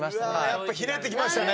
やっぱひねってきましたね。